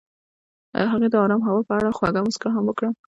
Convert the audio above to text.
هغې د آرام هوا په اړه خوږه موسکا هم وکړه.